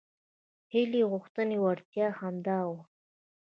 هیلې غوښتنې وړتیاوې همدا وو.